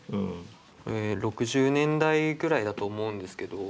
６０年代くらいだと思うんですけど。